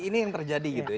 ini yang terjadi gitu ya